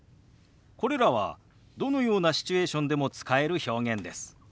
これらはどのようなシチュエーションでも使える表現です。